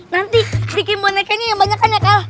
nanti bikin bonekanya yang banyak kan ya kak